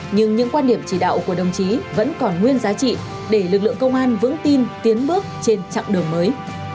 nhưng những quan điểm chỉ đạo của đồng chí vẫn còn nguyên giá trị để lực lượng công an vững tin tiến bước trên chặng đường mới